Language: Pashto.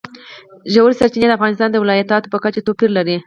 ژورې سرچینې د افغانستان د ولایاتو په کچه توپیر لري.